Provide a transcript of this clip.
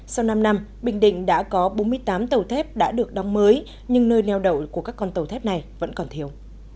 sau năm năm bình định đã có bốn mươi tám tàu thép đã được đóng mới nhưng nơi neo đậu của các con tàu thép này vẫn còn thiếu